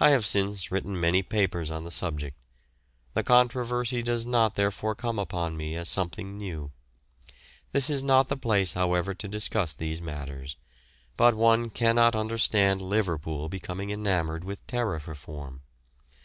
I have since written many papers on the subject; the controversy does not therefore come upon me as something new. This is not the place, however, to discuss these matters, but one cannot understand Liverpool becoming enamoured with Tariff Reform.